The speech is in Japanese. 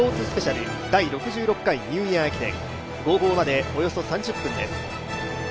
スペシャル、第６６回ニューイヤー駅伝、号砲までおよそ３０分です。